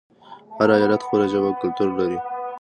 هر ایالت خپله ژبه او کلتور لري.